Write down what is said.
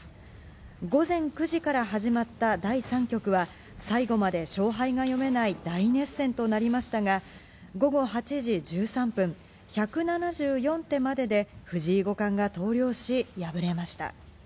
午前９時から始まった第３局は、最後まで勝敗が読めない大熱戦となりましたが、午後８時１３分、１７４手までで藤井五冠が投了し、敗れました。